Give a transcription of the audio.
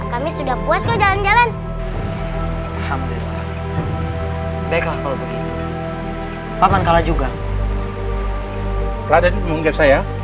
kami sudah puas ke jalan jalan paham baiklah kalau begitu akan kalah juga